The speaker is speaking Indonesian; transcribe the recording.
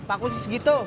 paku sih segitu